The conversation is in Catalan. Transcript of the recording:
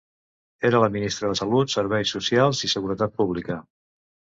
Era la ministra de Salut, Serveis Socials i Seguretat Pública.